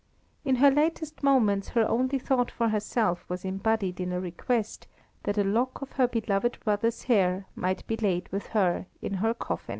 In her latest moments her only thought for herself was embodied in a request that a lock of her beloved brother's hair might be laid with her in her coffin.